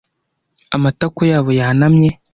amatako yabo yanamye,